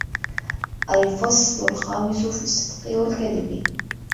الْفَصْلُ الْخَامِسُ فِي الصِّدْقِ وَالْكَذِبِ